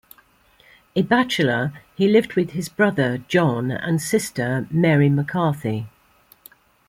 A bachelor, he lived with his brother, John, and sister, Mary McCarthy.